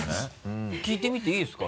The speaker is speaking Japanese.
聞いてみていいですか？